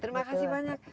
terima kasih banyak